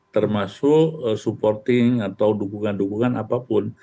termasuk supporting atau dukungan dukungan apapun